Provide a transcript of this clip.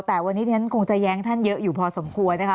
แต่วันนี้จะแย้งท่านเยอะอยู่พอสมควรนะคะ